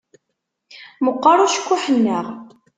Meqqeṛ ucekkuḥ-nneɣ.